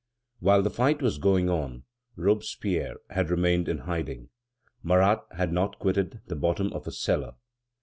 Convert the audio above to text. While the fight was going on, Robespierre had remained in hiding; Marat had not quitted the bottom of a cellar.